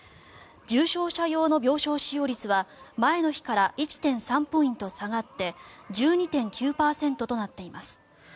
重症者用の病床使用率は前の日から１．３ポイント下がって１２．９％となっています。